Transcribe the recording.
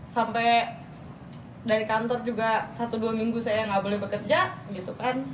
sampai dari kantor juga satu dua minggu saya nggak boleh bekerja gitu kan